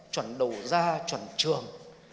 chuẩn đầu ra chuẩn trường